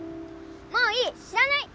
もういい知らない！